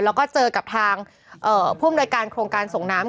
แล้วก็เจอกับทางผู้อำนวยการโครงการส่งน้ำ